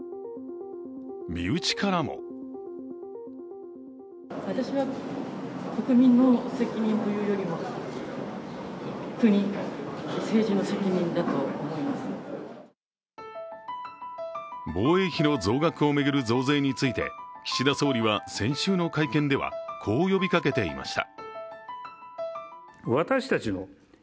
身内からも防衛費の増額を巡る増税について岸田総理は先週の会見ではこう呼びかけていました。